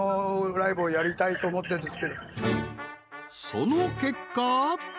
［その結果］